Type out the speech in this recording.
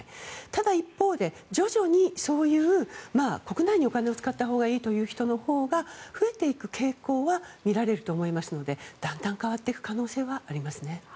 ただ一方で徐々にそういう国内にお金を使ったほうがいいという人のほうが増えていく傾向は見られると思いますのでだんだん変わっていく可能性はありますね。